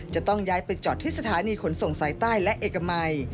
จะต้องย้ายไปจอดที่สถานีขนส่งสายใต้และเอกมัย